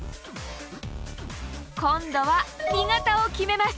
今度は２型を決めます。